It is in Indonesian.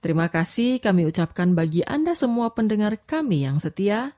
terima kasih kami ucapkan bagi anda semua pendengar kami yang setia